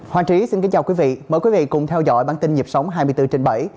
hoàng trí xin kính chào quý vị mời quý vị cùng theo dõi bản tin nhịp sống hai mươi bốn trên bảy